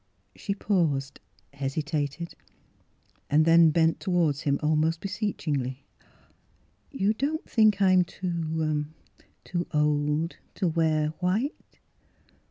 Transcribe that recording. She paused, hesitated, then bent toward him almost beseechingly. " You don't think I'm too — too old to wear white?